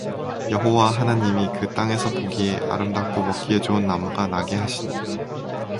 여호와 하나님이 그 땅에서 보기에 아름답고 먹기에 좋은 나무가 나게 하시니